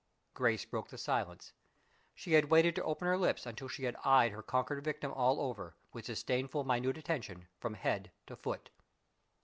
Grace broke the silence. She had waited to open her lips until she had eyed her conquered victim all over, with disdainfully minute attention, from head to foot.